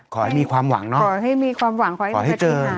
ขอให้มีความหวังขอให้เจอ